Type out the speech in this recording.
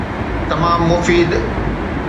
تمام مفيد.